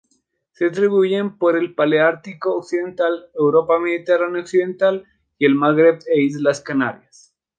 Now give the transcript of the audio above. Se distribuyen por el Paleártico occidental: Europa mediterránea occidental, el Magreb e islas Canarias.